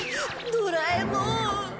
ドラえもーん。